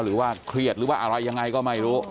หรือว่าเครียดหรือว่าอะไรยังไงก็ไม่รู้